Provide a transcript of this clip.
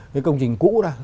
cái công trình cũ ra